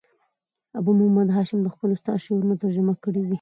ابو محمد هاشم دخپل استاد شعرونه ترجمه کړي دي.